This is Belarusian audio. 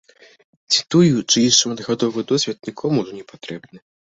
Ці тую, чый шматгадовы досвед нікому ўжо не патрэбны.